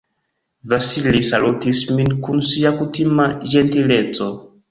Vasili salutis min kun sia kutima ĝentileco.